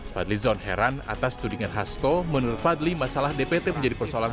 fadlizon heran atas tudingan hasto menurut fadli masalah dpt menjadi persoalan